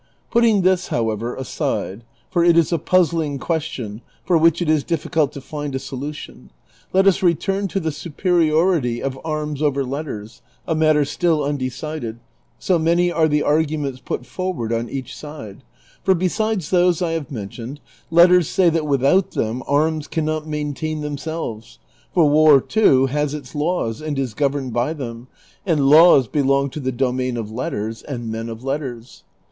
" Putting this, however, aside, for it is a puzzling question for which it is difficult to find a solution, let us return to the superiority of arms over letters, a matter still undecided, so many are the arguments put forward on each side ; for l^esides those I have mentioned, letters say that without them arms can not maintain themselves, for war, too, has its laws and is governed by them, and laws belong to the domain of letters and men of letters.